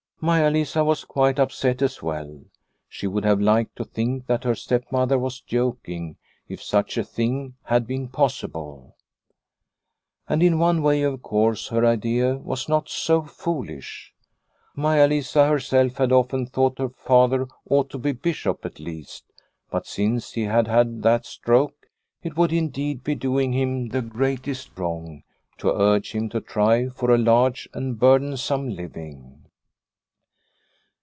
Maia Lisa was quite upset as well. She would have liked to think that her stepmother was joking, if such a thing had been possible. A Spring Evening 209 And in one way, of course, her idea was not so foolish. Maia Lisa herself had often thought her father ought to be bishop at least, but since he had had that stroke it would indeed be doing him the greatest wrong to urge him to try for a large and burdensome living.